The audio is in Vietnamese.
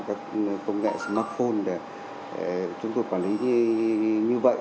các công nghệ smartphone để chúng tôi quản lý như vậy